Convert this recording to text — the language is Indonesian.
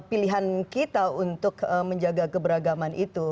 pilihan kita untuk menjaga keberagaman itu